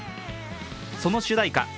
その主題歌